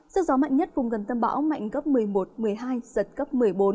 sức gió mạnh nhất vùng gần tâm bão mạnh cấp một mươi một một mươi hai giật cấp một mươi bốn